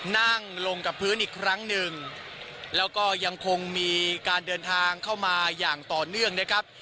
นั่งลงกับพื้นอีกครั้งหนึ่งแล้วก็ยังคงมีการเดินทางเข้ามาอย่างต่อเนื่องนะครับ